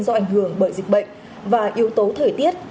do ảnh hưởng bởi dịch bệnh và yếu tố thời tiết